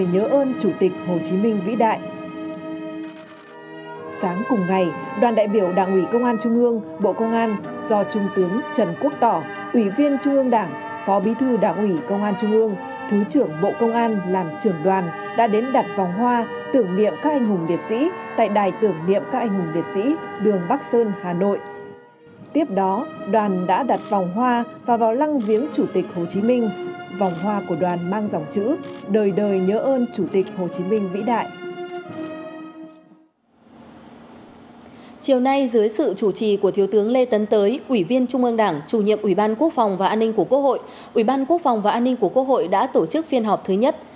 hôm nay dưới sự chủ trì của thiếu tướng lê tấn tới ủy viên trung ương đảng chủ nhiệm ủy ban quốc phòng và an ninh của quốc hội ủy ban quốc phòng và an ninh của quốc hội đã tổ chức phiên họp thứ nhất